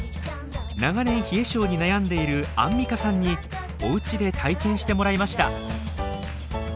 長年冷え症に悩んでいるアンミカさんにお家で体験してもらいました。